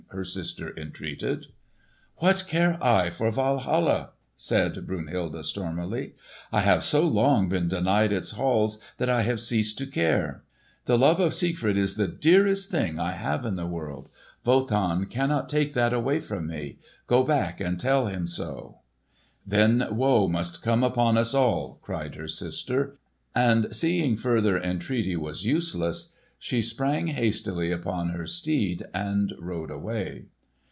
her sister entreated. "What care I for Walhalla?" said Brunhilde, stormily. "I have so long been denied its halls that I have ceased to care. The love of Siegfried is the dearest thing I have in the world. Wotan cannot take that away from me. Go back and tell him so!" "Then woe must come upon us all!" cried her sister; and seeing further entreaty was useless, she sprang hastily upon her steed and rode away.